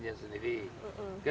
satu masalah presiden calon presiden